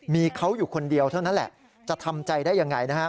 มีเขาอยู่คนเดียวเท่านั้นแหละจะทำใจได้ยังไงนะฮะ